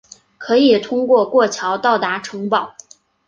可以通过过桥到达城堡。